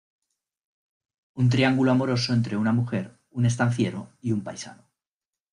Un triángulo amoroso entre una mujer, un estanciero y un paisano.